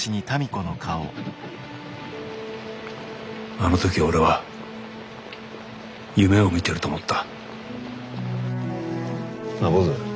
あの時俺は夢を見てると思ったなあ坊主。